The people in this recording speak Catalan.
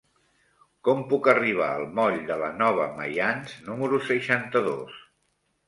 Com puc arribar al moll de la Nova Maians número seixanta-dos?